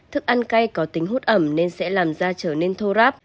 thức ăn cay có tính hút ẩm nên sẽ làm da trở nên thô áp